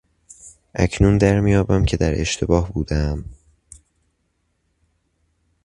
اکنون درمییابم که در اشتباه بودهام.